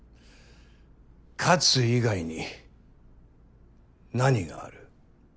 勝つ以外に何がある？